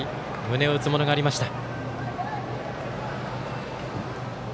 胸を打つものがありました。